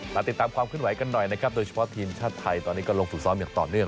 ติดตามความขึ้นไหวกันหน่อยนะครับโดยเฉพาะทีมชาติไทยตอนนี้ก็ลงฝึกซ้อมอย่างต่อเนื่อง